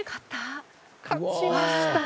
勝ちました。